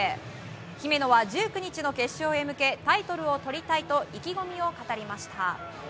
姫野は１９日の決勝へ向けタイトルをとりたいと意気込みを語りました。